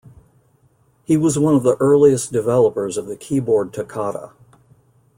He was one of the earliest developers of the keyboard toccata.